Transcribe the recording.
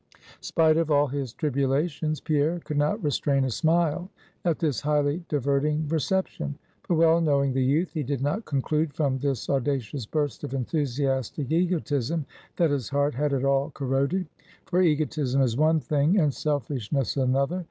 Spite of all his tribulations, Pierre could not restrain a smile at this highly diverting reception; but well knowing the youth, he did not conclude from this audacious burst of enthusiastic egotism that his heart had at all corroded; for egotism is one thing, and selfishness another.